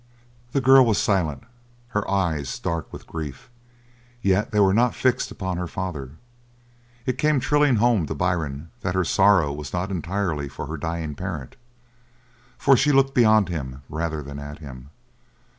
The girl was silent, her eyes dark with grief; yet they were not fixed upon her father. It came thrilling home to Byrne that her sorrow was not entirely for her dying parent, for she looked beyond him rather than at him.